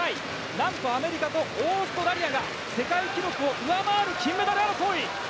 何とアメリカとオーストラリアが世界記録を上回る金メダル争い！